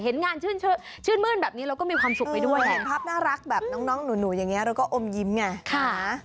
เห็นงานชื่นมื้นแบบนี้เราก็มีความสุขไปด้วยเห็นภาพน่ารักแบบน้องหนูอย่างนี้เราก็อมยิ้มไง